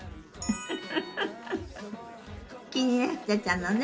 フフフフ気になってたのね。